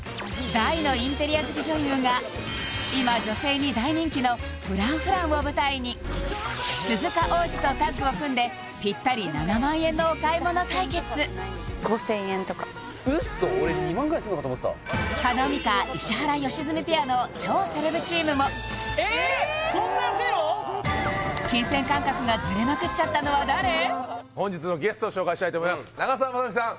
大のインテリア好き女優が今女性に大人気のＦｒａｎｃｆｒａｎｃを舞台に鈴鹿央士とタッグを組んでぴったり７万円のお買い物対決ウッソ俺２万ぐらいすんのかと思ってたもえーっ本日のゲスト紹介したいと思います長澤まさみさん